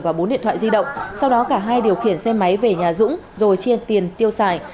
và bốn điện thoại di động sau đó cả hai điều khiển xe máy về nhà dũng rồi chia tiền tiêu xài